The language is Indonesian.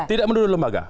tidak menuduh lembaga